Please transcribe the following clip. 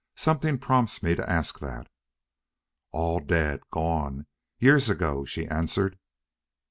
Something prompts me to ask that." "All dead gone years ago," she answered.